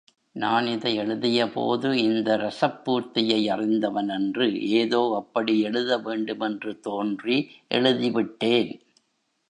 நான் இதை எழுதியபோது இந்த ரஸப்பூர்த்தியை அறிந்தவனன்று ஏதோ அப்படி எழுத வேண்டுமென்று தோன்றி எழுதி விட்டேன்.